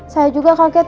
saya juga kaget